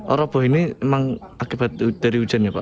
oh roboh ini memang akibat dari hujannya pak